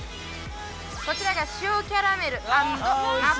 こちらが塩キャラメル＆ナッツ。